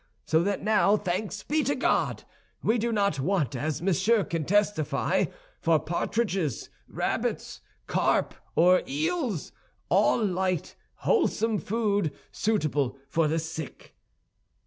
So that now, thanks be to God, we do not want, as Monsieur can testify, for partridges, rabbits, carp or eels—all light, wholesome food, suitable for the sick."